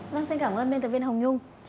vâng xin cảm ơn biên tập viên hồng nhung